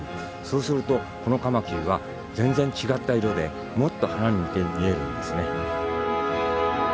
そうするとこのカマキリは全然違った色でもっと花に似て見えるんですね。